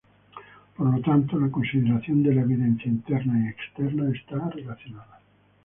Por lo tanto, la consideración de la evidencia interna y externa está relacionada.